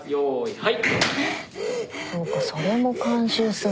・はい。